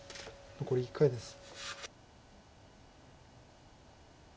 残り１回です。